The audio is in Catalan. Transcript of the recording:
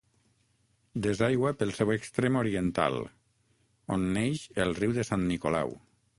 Desaigua pel seu extrem oriental, on neix el Riu de Sant Nicolau.